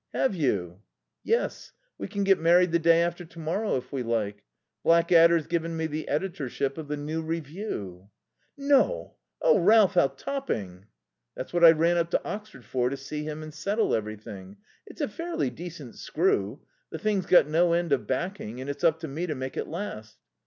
"Have you?" "Yes. We can get married the day after tomorrow if we like. Blackadder's given me the editorship of the New Review." "No? Oh, Ralph, how topping." "That's what I ran up to Oxford for, to see him and settle everything. It's a fairly decent screw. The thing's got no end of hacking, and it's up to me to make it last."